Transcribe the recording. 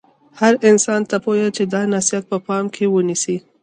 هر انسان ته پویه چې دا نصحیت په پام کې ونیسي.